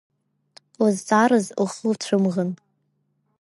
Лызҵаараз лхы лцәымӷын.